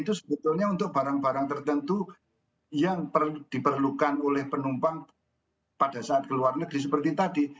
itu sebetulnya untuk barang barang tertentu yang diperlukan oleh penumpang pada saat ke luar negeri seperti tadi